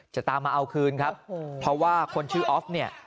จะตามมาเอาคืนครับเพราะว่าคนชื่อออฟเนี่ย